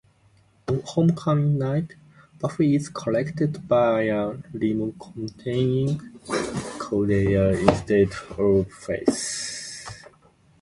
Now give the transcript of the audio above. On Homecoming night, Buffy is collected by a limo containing Cordelia instead of Faith.